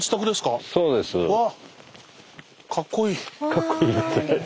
かっこいい。